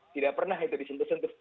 tidak pernah itu dikenal